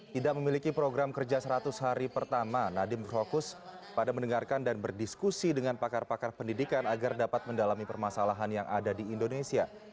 tidak memiliki program kerja seratus hari pertama nadiem berfokus pada mendengarkan dan berdiskusi dengan pakar pakar pendidikan agar dapat mendalami permasalahan yang ada di indonesia